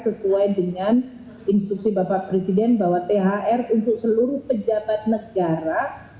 sesuai dengan instruksi bapak presiden bahwa thr untuk seluruh pejabat negara